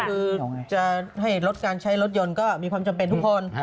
คือจะให้ลดการใช้รถยนต์ก็มีความจำเป็นทุกคน